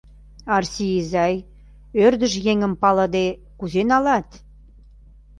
Арси изай, ӧрдыж еҥым, палыде, кузе налат?